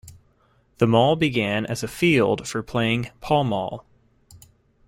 The Mall began as a field for playing pall-mall.